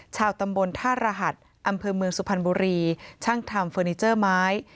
ชาวตำบลท่ารหัสอำเภอเมืองสุพรรณบุรีช่างทำเฟอร์นิเจอร์ไม้